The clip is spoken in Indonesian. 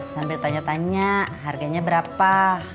sambil tanya tanya harganya berapa